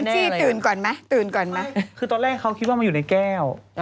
จี้ตื่นก่อนไหมตื่นก่อนไหมคือตอนแรกเขาคิดว่ามันอยู่ในแก้ว